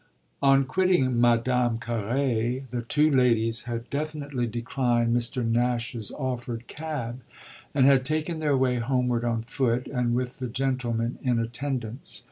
On quitting Madame Carré the two ladies had definitely declined Mr. Nash's offered cab and had taken their way homeward on foot and with the gentlemen in attendance.